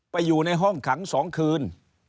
ไปอยู่ในห้องขังสองคืน